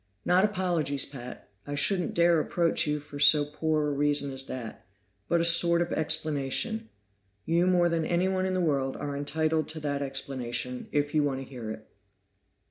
Not apologies, Pat I shouldn't dare approach you for so poor a reason as that but a sort of explanation. You more than any one in the world are entitled to that explanation, if you want to hear it.